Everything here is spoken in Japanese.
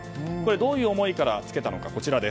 どういう思いからつけたのか。